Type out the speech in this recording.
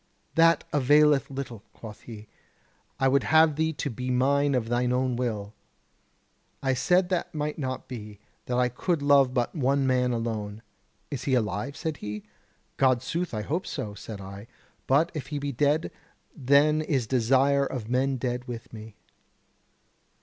'That availeth little,' quoth he; 'I would have thee be mine of thine own will.' I said that might not be, that I could love but one man alone. 'Is he alive?' said he. 'Goodsooth, I hope so,' said I, 'but if he be dead, then is desire of men dead within me.'